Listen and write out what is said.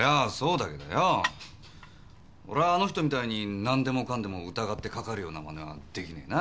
俺はあの人みたいに何でもかんでも疑ってかかるようなマネはできねぇな。